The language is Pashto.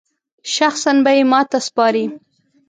شخصاً به یې ماته سپاري.